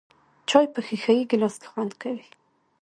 چای په ښیښه یې ګیلاس کې خوند کوي .